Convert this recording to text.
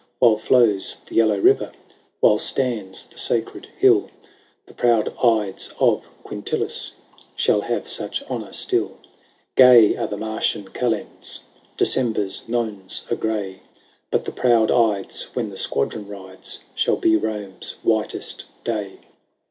While flows the Yellow River, While stands the Sacred Hill, The proud Ides of Quintilis Shall have such honour still. Gay are the Martian Kalends : December's Nones are gay : But the proud Ides, when the squadron rides, ShaU be Rome's whitest day.